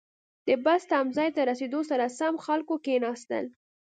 • د بس تمځي ته رسېدو سره سم، خلکو کښېناستل.